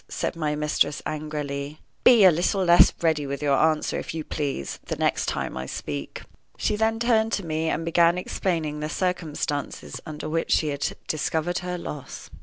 said my mistress, angrily. "Be a little less ready with your answer, if you please, the next time I speak." She then turned to me, and began explaining the circumstances under which she had discovered her loss.